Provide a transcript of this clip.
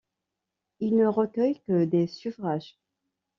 Il ne recueille que des suffrages.